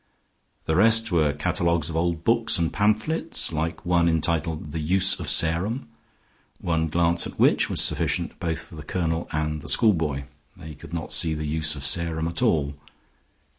The rest were catalogues of old books, and pamphlets, like one entitled "The Use of Sarum," one glance at which was sufficient both for the colonel and the schoolboy. They could not see the use of Sarum at all.